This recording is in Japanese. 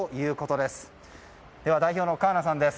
では、代表の川名さんです。